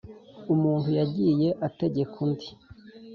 umuntu yagiye ategeka undi